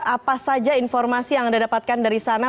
apa saja informasi yang anda dapatkan dari sana